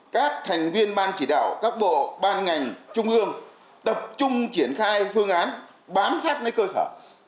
các thành viên ban chỉ đạo các bộ ban ngành trung ương tập trung triển khai phương án bám sát lấy cơ sở